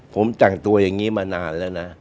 ผมแต่งตัวอย่างนี้มานานแล้วนะ